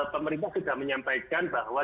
pemerintah sudah menyampaikan bahwa